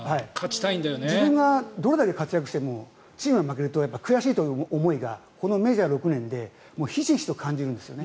自分がどれだけ活躍してもチームが負けるとやっぱり悔しいという思いがこのメジャー６年でひしひしと感じるんですよね。